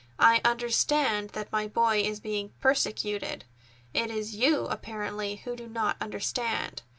"I understand that my boy is being persecuted. It is you, apparently, who do not understand.